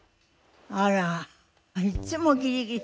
あらいっつもギリギリ。